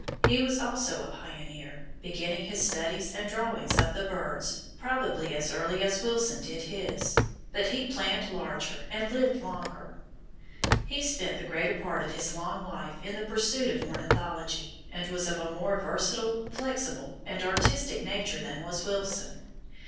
He was also a pioneer, beginning his studies and drawings of the birds probably as early as Wilson did his, but he planned larger and lived longer. He spent the greater part of his long life in the pursuit of ornithology, and was of a more versatile, flexible, and artistic nature than was Wilson.